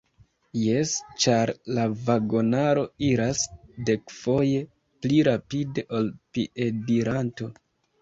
Jes, ĉar la vagonaro iras dekfoje pli rapide ol piediranto.